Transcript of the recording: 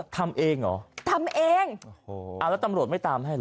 ทำเองเหรอทำเองโอ้โหอ่าแล้วตำรวจไม่ตามให้เหรอ